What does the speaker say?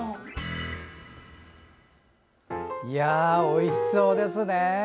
おいしそうですね。